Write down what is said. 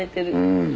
うん。